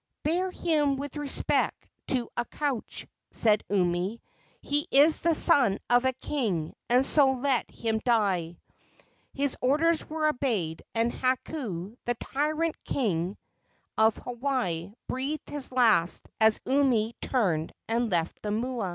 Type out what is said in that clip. "Bear him with respect to a couch," said Umi. "He is the son of a king, and so let him die." His orders were obeyed, and Hakau, the tyrant king of Hawaii, breathed his last as Umi turned and left the mua.